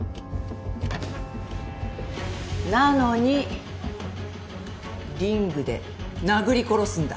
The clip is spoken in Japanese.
なのにリングで殴り殺すんだ？